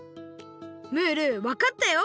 ムールわかったよ！